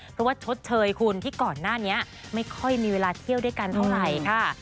เพราะว่าชดเชยคุณที่ก่อนหน้านี้ไม่ค่อยมีเวลาเที่ยวด้วยกันเท่าไหร่ค่ะ